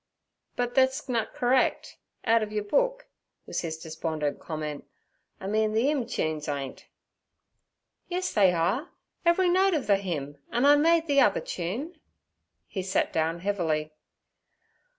'But thet's nut correc', out ov yer book' was his despondent comment. 'I mean the 'ymn chunes ain't.' 'Yes, they are, every note of the hymn, and I made the other tune.' He sat down heavily.